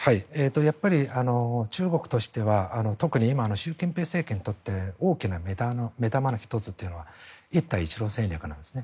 やっぱり中国としては特に今の習近平政権にとって大きな目玉の１つというのは一帯一路戦略なんですね。